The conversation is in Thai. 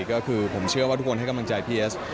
ก็คือผมเชื่อว่าทุกคนให้กำลังใจพี่เอส